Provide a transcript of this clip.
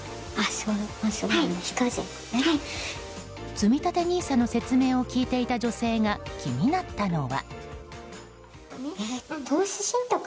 つみたてＮＩＳＡの説明を聞いていた女性が気になったのは。